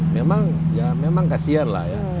memang ya memang kasian lah ya